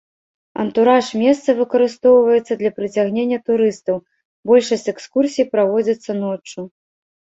Антураж месца выкарыстоўваецца для прыцягнення турыстаў, большасць экскурсій праводзіцца ноччу.